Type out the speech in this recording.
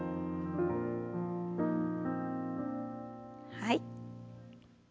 はい。